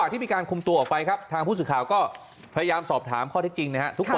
ครั้งแท้หลังข้าวเรารับรับจ้างเนี่ยกี่ครั้งแล้วหรอค่ะที่เราทำ